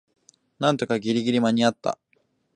なんとかギリギリ間にあった